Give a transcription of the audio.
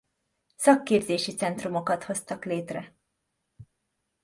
Szakképzési centrumokat hoztak létre.